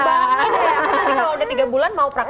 kalau udah tiga bulan mau prak